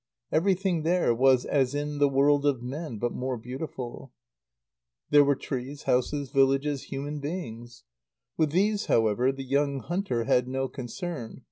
Everything there was as in the world of men, but more beautiful. There were trees, houses, villages, human beings. With these, however, the young hunter had no concern.